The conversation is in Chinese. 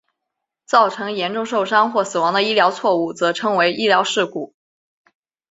造成严重受伤或死亡的医疗错误则称为医疗事故。